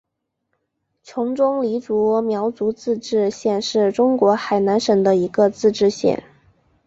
琼中黎族苗族自治县是中国海南省的一个自治县。